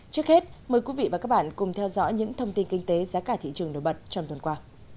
trước hết mời quý vị và các bạn cùng theo dõi những thông tin kinh tế giá cả thị trường nổi bật trong tuần qua